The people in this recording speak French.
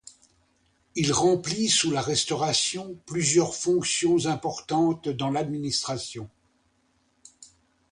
Il remplit sous la Restauration plusieurs fonctions importantes dans l'administration.